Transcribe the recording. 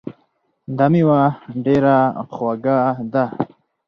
دا میوه ډېره خوږه ده